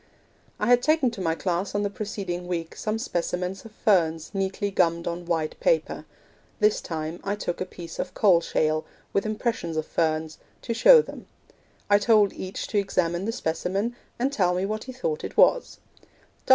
I had taken to my class on the preceding week some specimens of ferns neatly gummed on white paper. ... This time I took a piece of coal shale, with impressions of ferns, to show them. ... I told each to examine the specimen, and tell me what he thought it was.